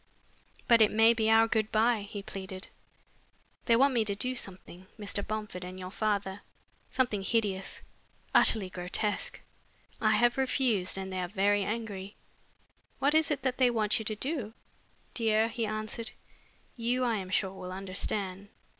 "But it may be our good bye," he pleaded. "They want me to do something, Mr. Bomford and your father, something hideous, utterly grotesque. I have refused and they are very angry." "What is it that they want you to do?" "Dear," he answered, "you, I am sure, will understand.